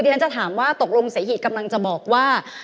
ฉันจะถามว่าตกลงเสหิตกำลังจะบอกว่า